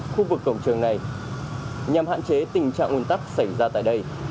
ở khu vực cổng trường này nhằm hạn chế tình trạng ồn tắc xảy ra tại đây